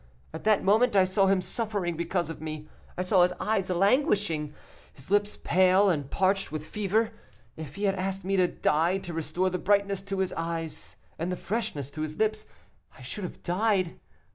At that moment I saw him suffering because of me; I saw his eyes languishing, his lips pale and parched with fever. If he had asked me to die to restore the brightness to his eyes, and the freshness to his lips, I should have died.